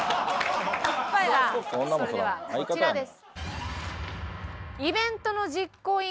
それではこちらです。